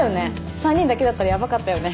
３人だけだったらやばかったよね